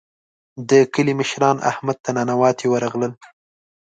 د کلي مشران احمد ته ننواتې ورغلل.